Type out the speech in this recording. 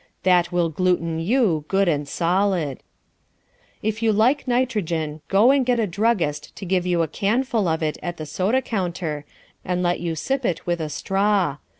That will gluten you, good and solid. If you like nitrogen, go and get a druggist to give you a canful of it at the soda counter, and let you sip it with a straw.